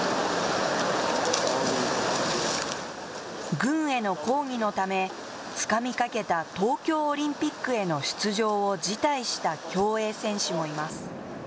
軍への抗議のため、つかみかけた東京オリンピックへの出場を辞退した競泳選手もいます。